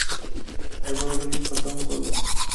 এবার ওটাকে খতম করবো।